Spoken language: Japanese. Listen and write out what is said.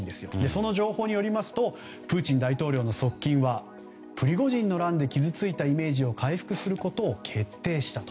その情報によりますとプーチン大統領の側近はプリゴジンの乱で傷ついたイメージを回復することを決定したと。